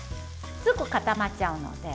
すぐ固まっちゃうので。